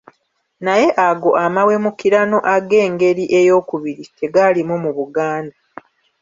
Naye ago amawemukirano ag'engeri ey'okubiri tegaalimu mu Buganda.